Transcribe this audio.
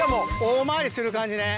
大回りする感じね。